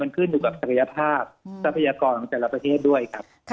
ขึ้นอยู่กับศักยภาพทรัพยากรของแต่ละประเทศด้วยครับ